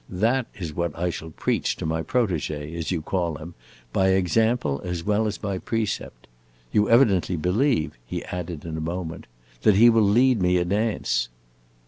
That is what I shall preach to my protege, as you call him, by example as well as by precept. You evidently believe," he added in a moment, "that he will lead me a dance."